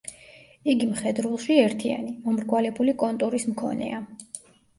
იგი მხედრულში ერთიანი, მომრგვალებული კონტურის მქონეა.